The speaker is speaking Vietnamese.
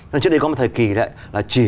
trước đây có một thời kỳ là chỉ